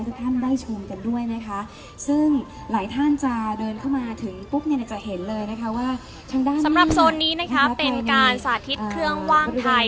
สำหรับโซนนี้นะคะเป็นการสาธิตเครื่องว่างไทย